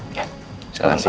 terima kasih ya